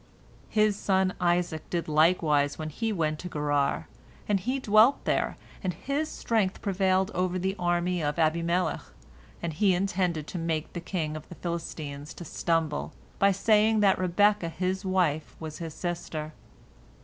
"His son Isaac did likewise when he went to Gerar, and he dwelt there, and his strength prevailed over the army of Abimelech, and he intended to make the kingdom of the Philistines to stumble, by saying that Rebekah his wife was his sister.